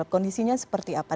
kondisinya seperti apa